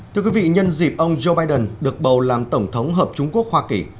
thưa quý vị nhân dịp ông joe biden được bầu làm tổng thống hợp trung quốc hoa kỳ